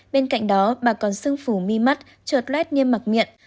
bên cạnh đó bà còn xưng phủ mi mắt trợt lét như mặc miệng